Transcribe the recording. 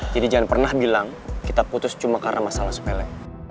jangan pernah bilang kita putus cuma karena masalah sepele